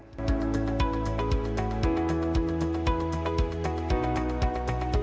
bagaimana cara membuat bisnis terbaik